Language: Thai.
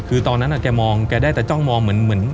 คือตอนนั้นแกมองแกได้แต่จ้องมองเหมือน